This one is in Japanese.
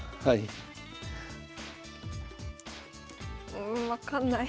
うん分かんない。